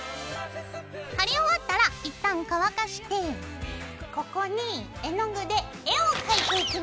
貼り終わったらいったん乾かしてここに絵の具で絵を描いていきます！